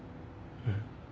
うん。